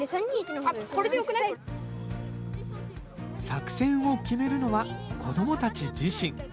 作戦を決めるのは子どもたち自身。